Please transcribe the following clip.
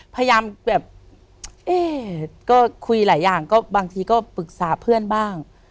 พยายามแบบเอ๊ะก็คุยหลายอย่างก็บางทีก็ปรึกษาเพื่อนบ้าง